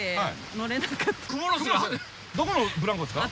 どこのブランコですか？